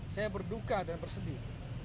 saya berduka dan bersedih